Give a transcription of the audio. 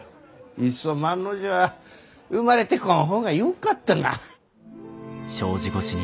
いっそ万の字は生まれてこん方がよかったな。